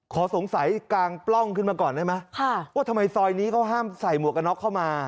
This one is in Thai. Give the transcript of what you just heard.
ขอสงสัยกลางปล้องขึ้นมาก่อนได้ไหมว่าทำไมซอยนี้เขาห้ามใส่หมวกกันน็อกเข้ามา